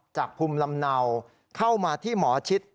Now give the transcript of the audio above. ภูมิลำเนาเข้ามาที่หมอชิด